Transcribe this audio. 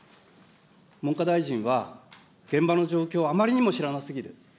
文科大臣は現場の状況をあまりにも知らなすぎる。